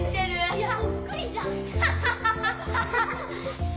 いやそっくりじゃん！